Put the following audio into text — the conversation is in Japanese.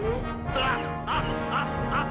ハッハッハッハッ！